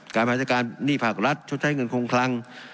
การภายในการหนี้ผลักรัฐช่วยใช้เงินคงคลัง